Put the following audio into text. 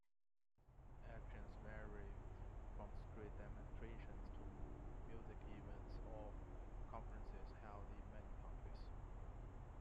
Actions vary from street demonstrations to music events or conferences held in many countries.